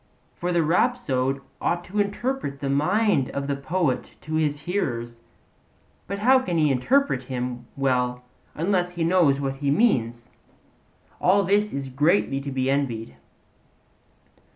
For the rhapsode ought to interpret the mind of the poet to his hearers, but how can he interpret him well unless he knows what he means? All this is greatly to be envied.